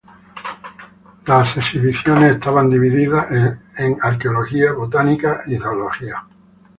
Las exhibiciones están divididas en: Arqueología, Botánica, Zoología.